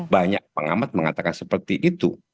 banyak pengamat mengatakan seperti itu